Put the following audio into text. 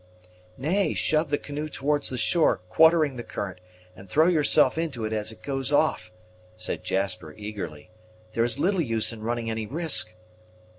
"Nay, shove the canoe towards the shore, quartering the current, and throw yourself into it as it goes off," said Jasper eagerly. "There is little use in running any risk."